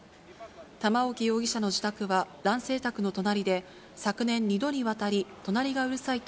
玉置容疑者の自宅は男性宅の隣で、昨年２度にわたり、隣がうるさい